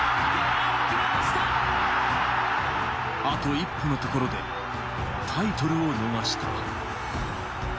あと一歩のところで、タイトルを逃した。